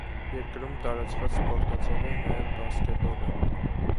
Երկրում տարածված սպորտաձև է նաև բասկետբոլը։